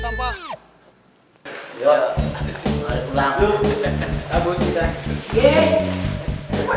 kamu pada mau kemana nih